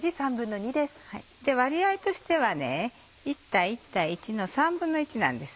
割合としては１対１対１の１／３なんです。